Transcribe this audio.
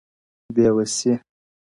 بې وسي_